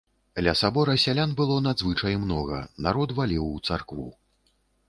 Ля сабора сялян было надзвычай многа, народ валіў у царкву.